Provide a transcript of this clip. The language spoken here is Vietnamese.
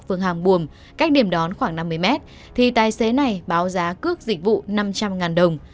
phường hàng buồm cách điểm đón khoảng năm mươi mét thì tài xế này báo giá cước dịch vụ năm trăm linh đồng